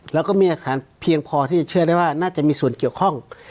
แล้วก็มีหลักฐานเพียงพอที่จะเชื่อได้ว่าน่าจะมีส่วนเกี่ยวข้อง